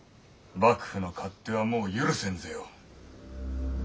幕府の勝手はもう許せんぜよ。